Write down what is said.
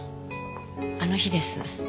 あの日です。